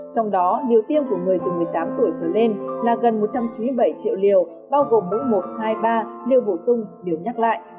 trong đó liều tiêm của người từ một mươi tám tuổi trở lên là gần một trăm chín mươi bảy triệu liều bao gồm mỗi một hai ba liều bổ sung đều nhắc lại